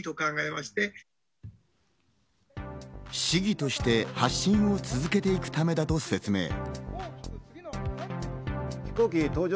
市議として発信を続けていくためだと説明。